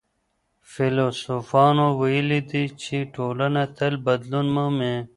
فيلسوفانو ويلي دي چي ټولنه تل بدلون مومي.